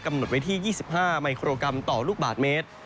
หดไว้ที่๒๕ไมโครกรัมต่อลูกบาทเมตร